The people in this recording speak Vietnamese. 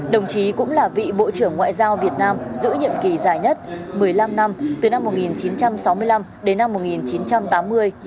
đồng chí cũng là vị bộ trưởng ngoại giao việt nam giữ nhiệm kỳ dài nhất một mươi năm năm từ năm một nghìn chín trăm sáu mươi năm đến năm một nghìn chín trăm tám mươi